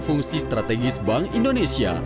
fungsi strategis bank indonesia